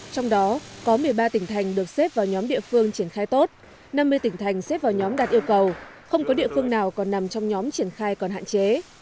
trong đó có một mươi ba tỉnh thành được xếp vào nhóm địa phương triển khai tốt năm mươi tỉnh thành xếp vào nhóm đạt yêu cầu không có địa phương nào còn nằm trong nhóm triển khai còn hạn chế